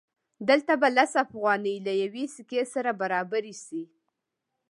دلته به لس افغانۍ له یوې سکې سره برابرې شي